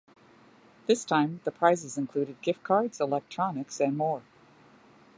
This time, the prizes included gift cards, electronics, and more.